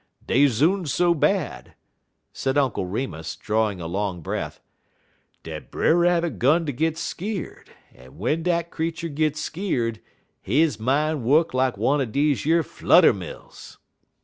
_) "Dey zoon so bad," said Uncle Remus, drawing a long breath, "dat Brer Rabbit 'gun ter git skeer'd, en w'en dat creetur git skeer'd, he min' wuk lak one er deze yer flutter mills.